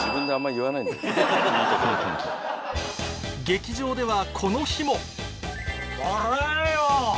劇場ではこの日も笑えよ！